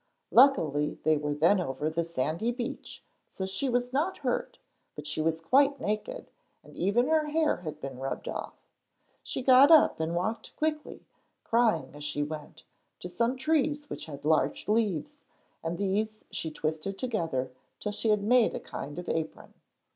Luckily they were then over the sandy beach so she was not hurt, but she was quite naked and even her hair had been rubbed off. She got up and walked quickly, crying as she went, to some trees which had large leaves, and these she twisted together till she had made a kind of apron.